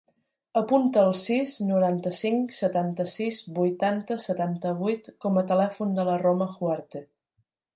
Apunta el sis, noranta-cinc, setanta-sis, vuitanta, setanta-vuit com a telèfon de la Roma Huarte.